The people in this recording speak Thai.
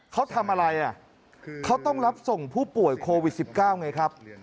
เขาทำอะไรอ่ะเขาต้องรับส่งผู้ป่วยโควิด๑๙ไงครับ